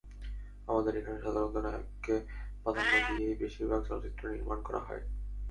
আমাদের এখানে সাধারণত নায়ককে প্রাধান্য দিয়েই বেশির ভাগ চলচ্চিত্র নির্মাণ করা হয়।